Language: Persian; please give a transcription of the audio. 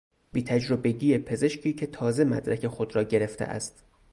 بیتجربگی پزشکی که تازه مدرک خود را گرفته است